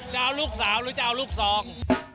จะเอาลูกสาวหรือจะเอาลูกซอง